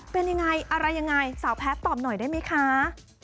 เป็นยังไงอะไรยังไงสาวแพทย์ตอบหน่อยได้ไหมคะ